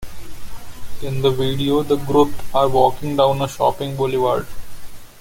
In the video the group are walking down a shopping boulevard.